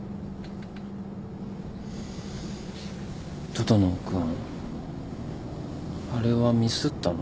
整君あれはミスったの？